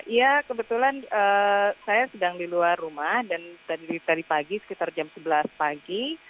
ya kebetulan saya sedang di luar rumah dan tadi pagi sekitar jam sebelas pagi